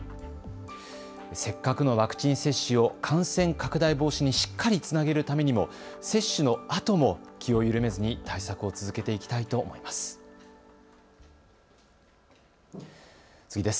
せっかくのワクチン接種を感染拡大防止にしっかりつなげるためにも接種のあとも気を緩めずに対策を続けていきたいと思います。